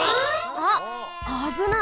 あっあぶない！